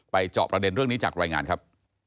ไปเจาะประเด็นนี้จากรายงานครับ